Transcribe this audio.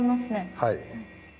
はい。